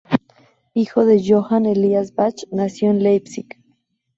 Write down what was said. Hijo de Johann Elias Bach, nació en Leipzig.